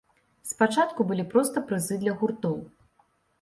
Спачатку былі проста прызы для гуртоў.